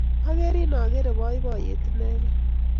Akerin akere poipoiyet inekey.